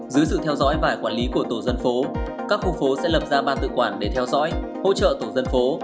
dưới sự theo dõi và quản lý của tổ dân phố các khu phố sẽ lập ra ban tự quản để theo dõi hỗ trợ tổ dân phố